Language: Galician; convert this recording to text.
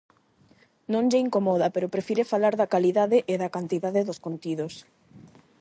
Non lle incomoda pero prefire falar da calidade e da cantidade dos contidos.